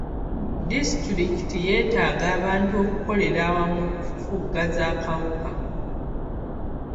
Disitulikiti yetaaga abantu okukolera awamu okufufugaza akawuka.